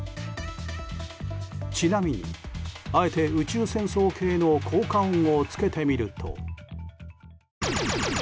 ちなみに、あえて宇宙戦争系の効果音をつけてみると。